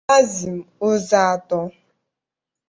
Maxim Uzoato